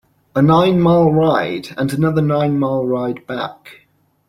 A nine-mile ride, and another nine-mile ride back.